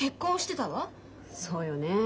そうよねえ。